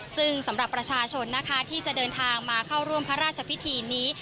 ซึ่งสำหรับประชาชนนะคะที่จะเดินทางมาเข้าร่วมพระราชพิธีนี้